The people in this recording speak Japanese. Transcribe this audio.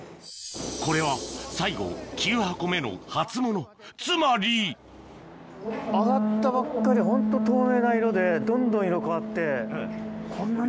これは最後９箱目の初モノつまり揚がったばっかりでホント透明な色でどんどん色変わって。